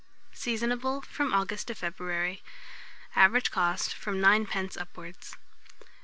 Seasonable from August to February. Average cost, from 9d. upwards.